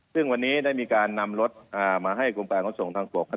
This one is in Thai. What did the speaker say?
ซึ่งวันนี้ได้มีการนำรถมาให้กรมการขนส่งทางบก